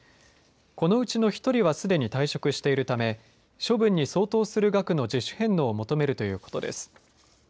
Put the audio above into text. このうちの１人はすでに退職しているため処分に相当する額の自主返納を求めるということです。